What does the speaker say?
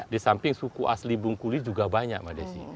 di samping suku asli bungkuli juga banyak mbak desi